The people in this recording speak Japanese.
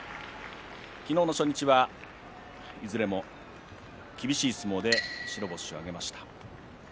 昨日の初日は、いずれも厳しい相撲で白星を挙げました。